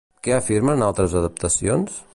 Què afirmen altres adaptacions?